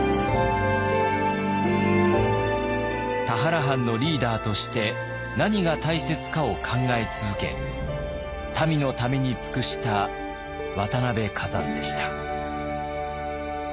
田原藩のリーダーとして何が大切かを考え続け民のために尽くした渡辺崋山でした。